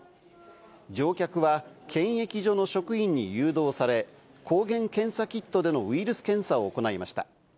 乗客は、検疫所の職員に誘導され、抗原検査キットでのウイルス検査を行いました。